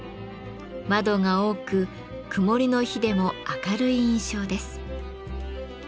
窓が多く曇りの日でも明るい印象です。